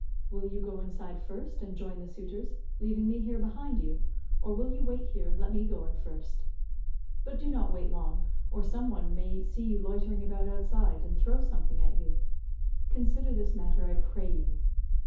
Will you go inside first and join the suitors, leaving me here behind you, or will you wait here and let me go in first? But do not wait long, or some one may see you loitering about outside, and throw something at you. Consider this matter I pray you."